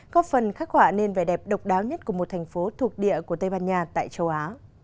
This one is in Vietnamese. có phần khắc họa nên vẻ đẹp độc đáo nhất của một thành phố thuộc địa của tây ban nha tại châu á